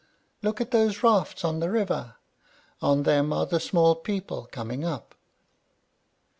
Look at those rafts on the river; on them are the small people coming up."